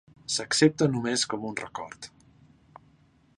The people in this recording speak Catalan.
S'accepta només com un record.